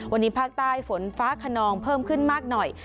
วันนี้ภาคใต้ฝนฟ้าขนองเพิ่มขึ้นมากหน่อย